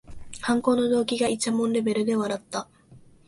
犯行の動機がいちゃもんレベルで笑った